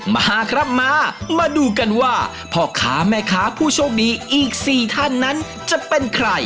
มาครับมามาดูกันว่าพ่อค้าแม่ค้าผู้โชคดีอีก๔ท่านนั้นจะเป็นใคร